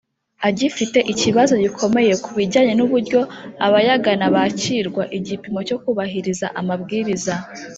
agifite ikibazo gikomeye ku bijyanye n uburyo abayagana bakirwa Igipimo cyo kubahiriza amabwiriza